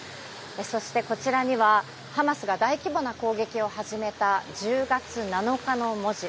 そして、こちらにはハマスが大規模な攻撃を始めた１０月７日の文字。